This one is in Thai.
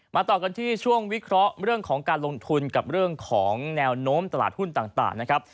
ต่อกันที่ช่วงวิเคราะห์เรื่องของการลงทุนกับเรื่องของแนวโน้มตลาดหุ้นต่างนะครับ